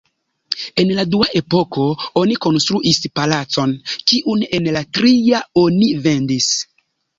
En la dua epoko oni konstruis palacon, kiun en la tria oni vendis.